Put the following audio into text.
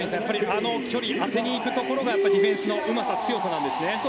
あの距離、当てに行くところがディフェンスのうまさ、強さなんですね。